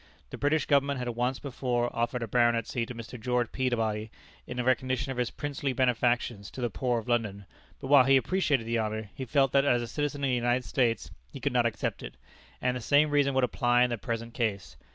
The British Government had once before offered a baronetcy to Mr. George Peabody in recognition of his princely benefactions to the poor of London, but while he appreciated the honor, he felt that as a citizen of the United States, he could not accept it, and the same reason would apply in the present case.